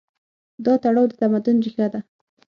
دا تړاو د تمدن ریښه ده.